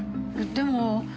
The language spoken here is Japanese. でも。